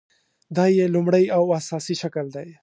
دا یې لومړۍ او اساسي شکل دی.